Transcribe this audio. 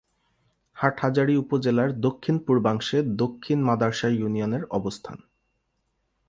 হাটহাজারী উপজেলার দক্ষিণ-পূর্বাংশে দক্ষিণ মাদার্শা ইউনিয়নের অবস্থান।